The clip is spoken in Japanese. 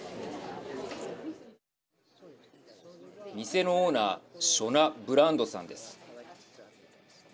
店のオーナーショナ・ブランドさんです。